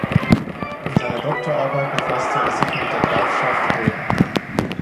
In seiner Doktorarbeit befasste er sich mit der Grafschaft Hoya.